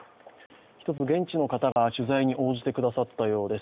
一つ現地の方が取材に応じてくださったそうです。